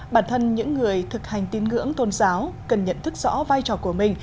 bản thân những người thực hành tín ngưỡng tôn giáo cần nhận thức rõ vai trò của mình